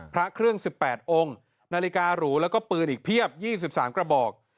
พระเครื่อง๑๘องค์นาฬิการูแล้วก็ปืนอีกเพียบ๒๓กระบอก